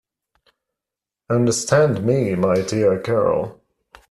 Understand me, my dear girl.